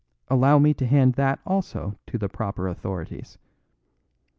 Allow me to hand that also to the proper authorities."